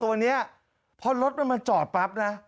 ตัวนี้เพราะรถมันมาจอดปรับนะ